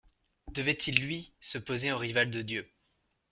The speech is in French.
Devait-il lui, se poser en rival de Dieu.